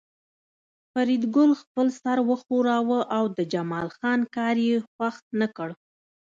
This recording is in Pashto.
فریدګل خپل سر وښوراوه او د جمال خان کار یې خوښ نکړ